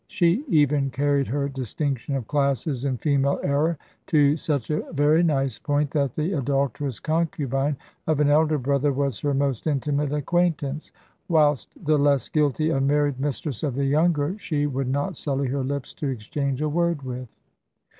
She even carried her distinction of classes in female error to such a very nice point that the adulterous concubine of an elder brother was her most intimate acquaintance, whilst the less guilty unmarried mistress of the younger she would not sully her lips to exchange a word with.